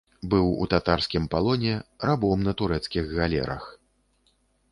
Быў у татарскім палоне, рабом на турэцкіх галерах.